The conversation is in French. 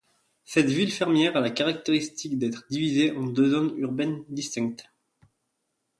Cette ville fermière à la caractéristique d'être divisée en deux zones urbaines distincts.